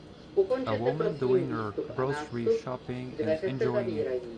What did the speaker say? A woman doing her grocery shopping and enjoying it.